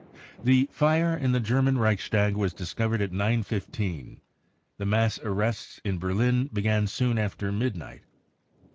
The fire in the German Reichstag was discovered at 9. 15. The mass arrests in Berlin began soon after midnight.